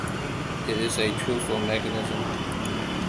It is a truthful mechanism.